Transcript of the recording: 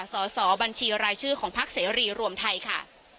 สอบบัญชีรายชื่อของพักเสรีรวมไทยค่ะ